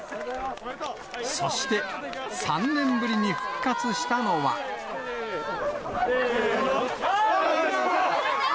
そして、３年ぶりに復活したせーの。